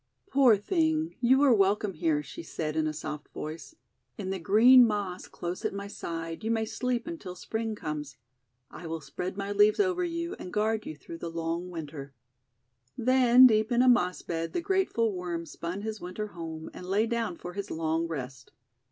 ' Poor thing, you are welcome here," she said in a soft voice. 'In the green Moss close at my side you may sleep until Spring comes. I will spread my leaves over you, and guard you through the long Winter." PRINCE BUTTERFLY 163 Then, deep in a Moss bed, the grateful Worm spun his winter home, and lay down for his long rest.